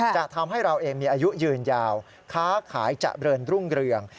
จะทำให้เราเองมีอายุยืนยาวค้าขายเจริญรุ่งเรือง